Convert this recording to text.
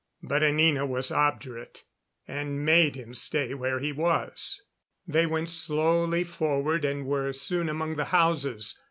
But Anina was obdurate, and made him stay where he was. They went slowly forward and were soon among the houses.